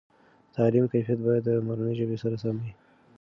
دتعلیم کیفیت باید د مورنۍ ژبې سره سم وي.